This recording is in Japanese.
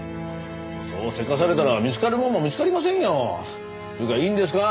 そうせかされたら見つかるもんも見つかりませんよ。というかいいんですか？